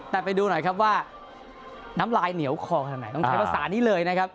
แต่ไปดูหน่อยครับว่าน้ำลายเหนียวคอขนาดไหนต้องใช้ภาษานี้เลยนะครับ